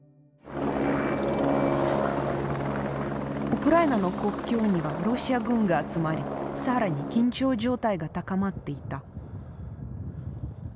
ウクライナの国境にはロシア軍が集まり更に緊張状態が高まっていた。